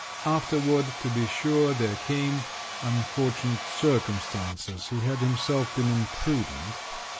_ Afterward, to be sure, there came … unfortunate circumstances, he had himself been imprudent….